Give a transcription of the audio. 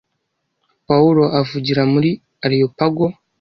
Pawulo avugira muri Areyopago